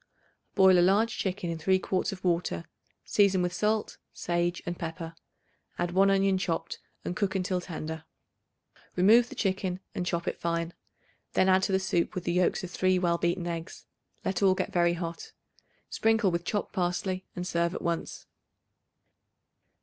Boil a large chicken in 3 quarts of water; season with salt, sage and pepper; add 1 onion chopped and cook until tender. Remove the chicken and chop it fine; then add to the soup with the yolks of 3 well beaten eggs; let all get very hot. Sprinkle with chopped parsley and serve at once.